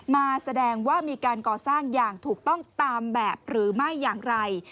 แสดงว่ามีการก่อสร้างอย่างถูกต้องตามแบบหรือไม่อย่างไร